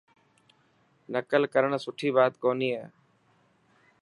نڪل ڪرڻ سٺي بات ڪوني هي.